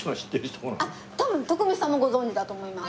多分徳光さんもご存じだと思います。